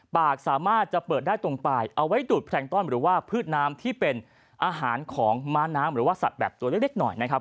ปากสามารถจะเปิดได้ตรงปลายเอาไว้ดูดแพลงต้อนหรือว่าพืชน้ำที่เป็นอาหารของม้าน้ำหรือว่าสัตว์แบบตัวเล็กหน่อยนะครับ